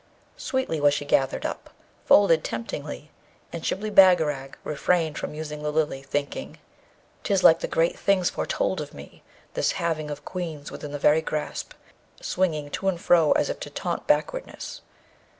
Sweetly was she gathered up, folded temptingly, and Shibli Bagarag refrained from using the Lily, thinking, ''Tis like the great things foretold of me, this having of Queens within the very grasp, swinging to and fro as if to taunt backwardness!'